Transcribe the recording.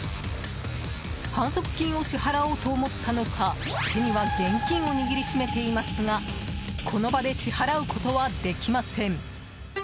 反則金を支払おうと思ったのか手には現金を握り締めていますがこの場で支払うことはできません。